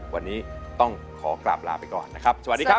วันนี้ต้องขอกราบลาไปก่อนนะครับสวัสดีครับ